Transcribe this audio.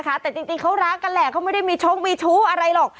แต่จริงเขารักกันแหละเขาไม่ได้มีชงมีชู้อะไรหรอก